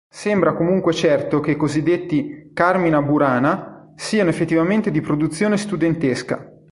Sembra comunque certo che i cosiddetti "Carmina Burana" siano effettivamente di produzione studentesca.